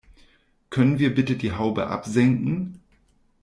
Können wir bitte die Haube absenken?